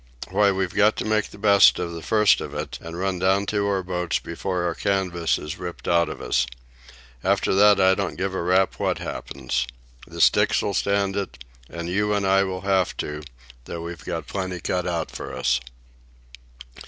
"Why we've got to make the best of the first of it and run down to our boats before our canvas is ripped out of us. After that I don't give a rap what happens. The sticks 'll stand it, and you and I will have to, though we've plenty cut out for us."